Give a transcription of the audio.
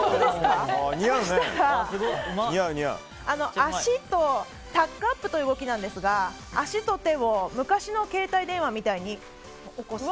そしたらタックアップという動きなんですが足と手を昔の携帯電話みたいに起こす。